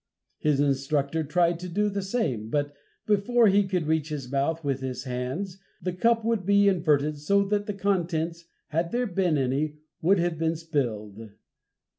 His instructor tried to do the same, but before he could reach his mouth with his hands the cup would be inverted so that the contents, had there been any, would have been spilled.